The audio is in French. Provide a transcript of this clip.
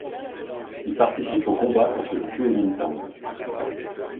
Il participe aux combats contre le Kuomintang.